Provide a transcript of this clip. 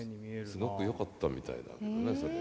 すごくよかったみたいなんだけどねそれ。